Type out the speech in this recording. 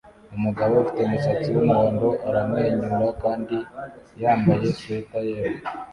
Umugore ufite umusatsi wumuhondo aramwenyura kandi yambaye swater yera